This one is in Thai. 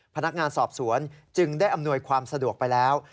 พนักงานสอบสวนจึงได้อำนวยความสะดวกไปแล้ว